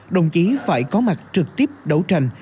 đồng chí phải có mặt trực tiếp đấu tranh